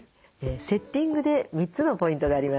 セッティングで３つのポイントがあります。